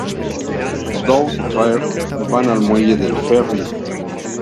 Doug y Claire van al muelle del ferry.